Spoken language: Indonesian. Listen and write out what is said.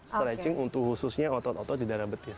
stretching untuk khususnya otot otot di darah betis